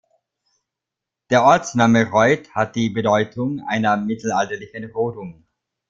Der Ortsname "Reuth" hat die Bedeutung einer mittelalterlichen Rodung.